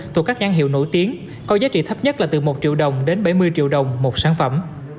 thuộc các nhãn hiệu nổi tiếng có giá trị thấp nhất là từ một triệu đồng đến bảy mươi triệu đồng một sản phẩm